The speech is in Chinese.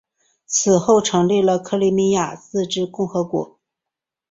随后成立了克里米亚自治共和国。